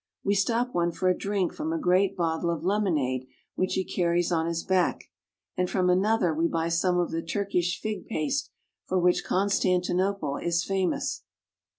We stop one for a drink from a great bottle of lemonade which he carries on his back, and from another we buy some of the Turkish fig paste for which Constantinople is famous.